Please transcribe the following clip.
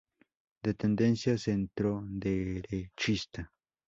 De tendencia centroderechista.